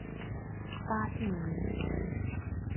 巴蒂尼。